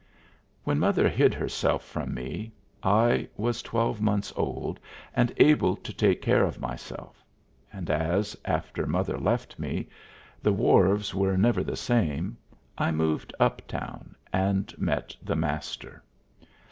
When mother hid herself from me, I was twelve months old and able to take care of myself, and as, after mother left me, the wharves were never the same, I moved uptown and met the Master.